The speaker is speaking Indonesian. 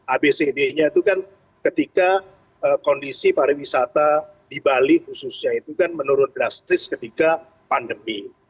abcd nya itu kan ketika kondisi pariwisata di bali khususnya itu kan menurun drastis ketika pandemi